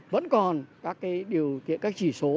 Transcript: vẫn còn các chỉ số